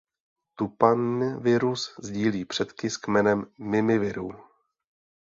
Tupanvirus sdílí předky s kmenem Mimivirů.